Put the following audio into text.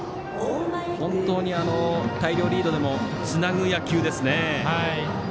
本当に、大量リードでもつなぐ野球ですね。